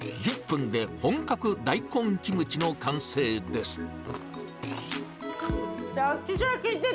１０分で本格大根キムチの完成です。